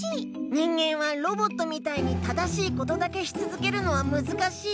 人間はロボットみたいに正しいことだけしつづけるのはむずかしい。